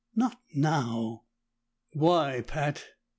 "Not now." "Why, Pat?"